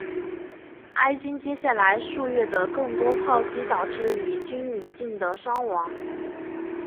埃军接下来数月的更多炮击导致以军一定的伤亡。